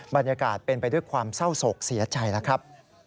บรรยากาศเป็นไปด้วยความเศร้าโศกเสียใจแล้วครับ